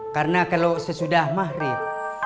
karena kalau sesudah mahrib